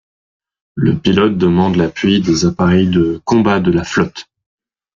Le pilote demande l'appui des appareils de combat de la flotte.